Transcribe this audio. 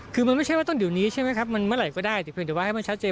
คือมันไม่ใช่ว่าต้นเดี๋ยวนี้ใช่ไหมครับมันเมื่อไหร่ก็ได้แต่เพียงแต่ว่าให้มันชัดเจน